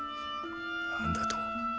何だと！？